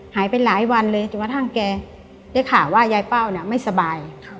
หายไปหลายวันเลยจนกระทั่งแกได้ข่าวว่ายายเป้าเนี่ยไม่สบาย